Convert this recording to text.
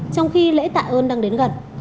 trong khi lễ tạ ơn đang đến gần